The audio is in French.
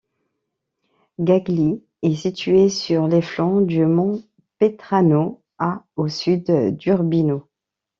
Cagli est située sur les flancs du Mont Petrano à au sud d'Urbino.